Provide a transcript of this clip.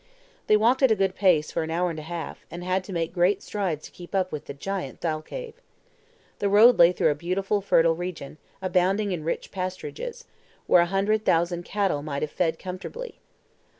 They walked at a good pace for an hour and a half, and had to make great strides to keep up with the giant Thalcave. The road lay through a beautiful fertile region, abounding in rich pasturages; where a hundred thousand cattle might have fed comfortably.